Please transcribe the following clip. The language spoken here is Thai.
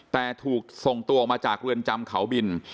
แต่ถูกส่งตัวออกมาจากเรือนจำเขาบิน